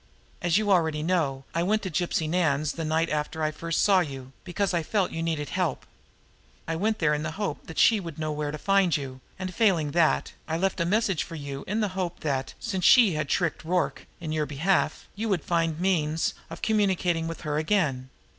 As you already know, I went to Gypsy Nan's the night after I first saw you, because I felt you needed help. I went there in the hope that she would know where to find you, and, failing in that, I left a message for you in the hope that, since she had tricked Rorke in your behalf, you would find means of communicating with her again.